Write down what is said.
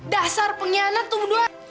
dasar pengkhianat tunggu doang